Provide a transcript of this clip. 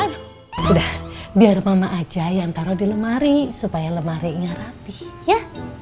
udah biar mama aja yang taruh di lemari supaya lemarinya rapi ya